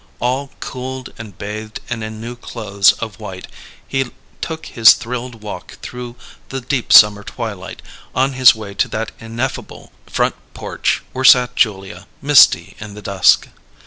All cooled and bathed and in new clothes of white, he took his thrilled walk through the deep summer twilight, on his way to that ineffable Front Porch where sat Julia, misty in the dusk.